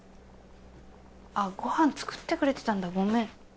あっご飯作ってくれてたんだごめん。